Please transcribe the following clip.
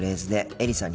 エリさん。